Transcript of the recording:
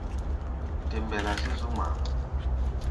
Te mbelá sí zú ŋmaa.